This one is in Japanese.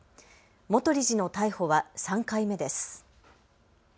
元理事の逮捕は３回目です。